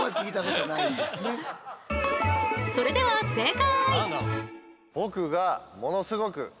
それでは正解！